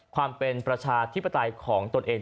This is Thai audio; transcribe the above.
ความเป็นประชาธิปไตยของตนเอง